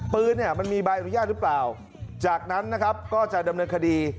ปืนเนี่ยมันมีใบอนุญาตหรือเปล่าจากนั้นนะครับก็จะดำเนินคดี